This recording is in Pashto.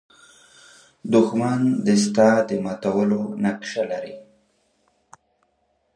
دښمن د ستا د ماتولو نقشه لري